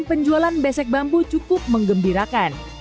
penjualan besek bambu cukup mengembirakan